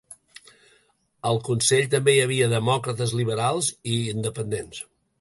Al consell també hi havia demòcrates liberals i independents.